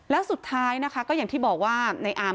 แล้วสุดท้ายนะคะก็อย่างที่บอกว่านายอาร์มก็เอาแหวนคุณลุงไป